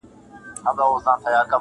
څوک چي زرګر نه وي د زرو قدر څه پیژني!!